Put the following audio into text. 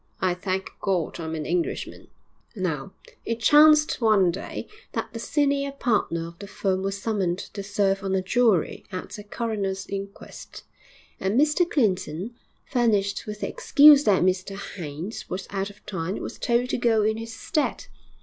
I thank God I'm an Englishman!' IV Now, it chanced one day that the senior partner of the firm was summoned to serve on a jury at a coroner's inquest, and Mr Clinton, furnished with the excuse that Mr Haynes was out of town, was told to go in his stead.